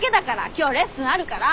今日レッスンあるから。